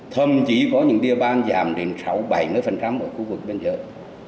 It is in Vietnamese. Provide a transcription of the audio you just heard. thậm chí có những địa bàn giảm đến sáu bảy ở khu vực bên dưới